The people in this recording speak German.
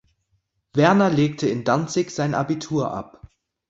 Werner legte in Danzig sein Abitur ab.